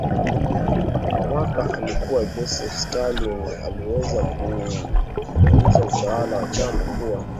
mwaka alikuwa Josef Stalin aliyeweza kugeuza utawala wa chama kuwa